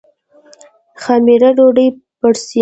خمیره ډوډۍ پړسوي